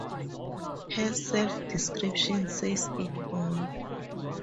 Her self-description says it all.